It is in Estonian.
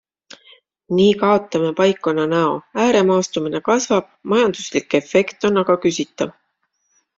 Nii kaotame paikkonna näo, ääremaastumine kasvab, majanduslik efekt on aga küsitav.